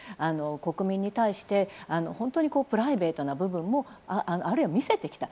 国民に対して本当にプライベートな部分もあるいは見せてきた。